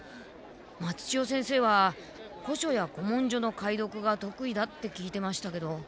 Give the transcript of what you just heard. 松千代先生は古書や古文書の解読がとくいだって聞いてましたけど。